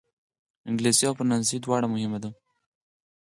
انګلیسي او فرانسوي دواړه مهمې دي.